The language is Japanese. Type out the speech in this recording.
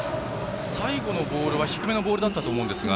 最後のボールは低めのボールだったと思いますが。